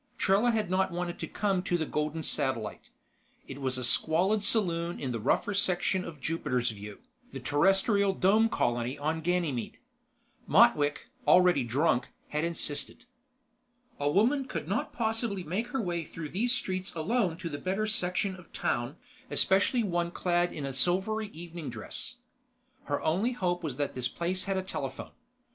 Trella had not wanted to come to the Golden Satellite. It was a squalid saloon in the rougher section of Jupiter's View, the terrestrial dome colony on Ganymede. Motwick, already drunk, had insisted. A woman could not possibly make her way through these streets alone to the better section of town, especially one clad in a silvery evening dress. Her only hope was that this place had a telephone.